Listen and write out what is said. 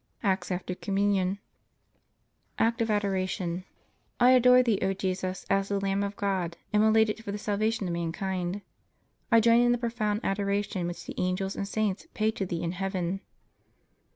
ACTS AFTER COMMUNION Act of Adoration. I adore Thee, O Jesus, as the Lamb of God immolated for the salvation of mankind. I join in the profound adoration which the angels and saints pay to Thee in heaven.